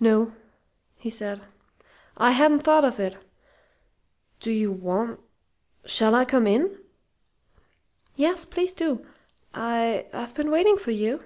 "No," he said. "I hadn't thought of it. Do you want shall I come in?" "Yes, please do. I I've been waiting for you."